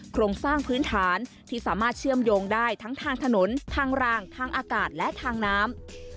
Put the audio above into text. โครงสร้างพื้นฐานที่สามารถเชื่อมโยงได้ทั้งทางถนนทางรางทางอากาศและทางน้ำ